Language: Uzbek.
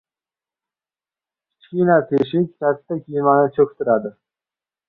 • Kichkina teshik katta kemani cho‘ktiradi.